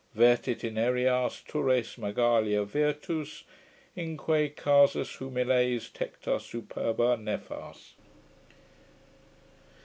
Vertit in aerias turres magalia virtus, Inque casas humiles tecta superba nefas.